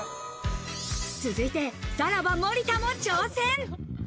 続いて、さらば・森田も挑戦。